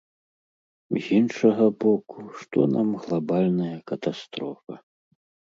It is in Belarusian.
З іншага боку, што нам глабальная катастрофа?